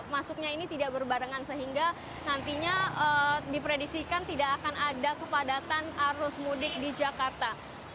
masuknya ini tidak berbarengan sehingga nantinya dipredisikan tidak akan ada kepadatan arus mudik di jakarta